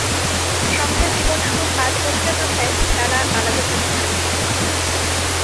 সংসার জীবন শুরুর পাঁচ বছরের মাথায় তাঁরা আলাদা থাকতে শুরু করেন।